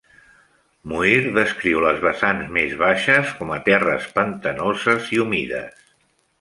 Muir descriu les vessants més baixes com a "terres pantanoses i humides".